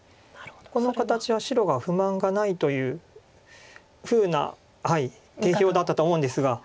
この形は白が不満がないというふうな定評だったと思うんですが。